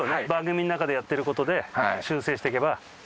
番組の中でやってることで修正していけば。